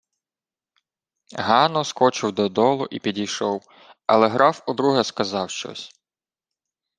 Гано скочив додолу, і підійшов, але граф удруге сказав щось.